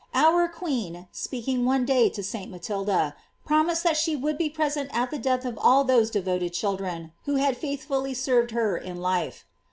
Our queen, speaking one day to St. Matilda, promis ed that she would be present at the death of all those devoted children who had faithfully serv ed her in life.